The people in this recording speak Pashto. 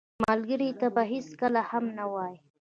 ملګری ته به هېڅکله هم نه وایې